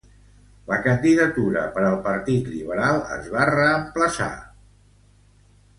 La candidatura per al partit liberal es va reemplaçar per Gerry Ruehs.